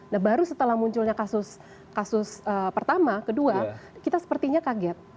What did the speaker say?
nah baru setelah munculnya kasus pertama kedua kita sepertinya kaget